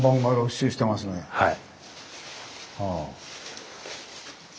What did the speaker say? はい。